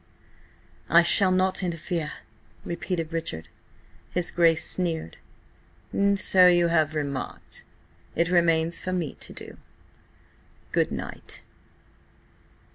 "I shall not interfere," repeated Richard. His Grace sneered. "So you have remarked. It remains for me to do. Good night."